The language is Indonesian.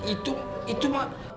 itu itu mak